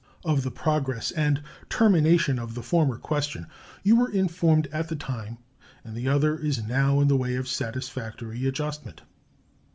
Of the progress and termination of the former question you were informed at the time, and the other is now in the way of satisfactory adjustment.